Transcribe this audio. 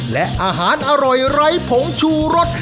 และอาหารอร่อยไร้ผงชูรส